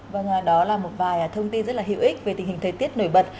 và đó là một vài thông tin rất là hiệu ích về tình hình thời tiết nổi bật